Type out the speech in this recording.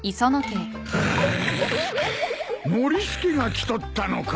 ノリスケが来とったのか。